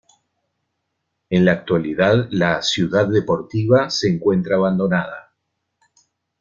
En la actualidad la "Ciudad Deportiva" se encuentra abandonada.